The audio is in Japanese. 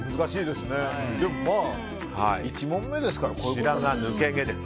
でもまあ１問目ですから。